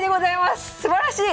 すばらしい！